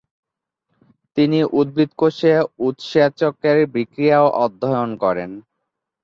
তিনি উদ্ভিদকোষে উৎসেচকের বিক্রিয়াও অধ্যয়ন করেন।